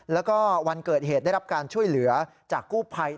แล้วก็วันเกิดเหตุได้รับการช่วยเหลือจากกู้ภัย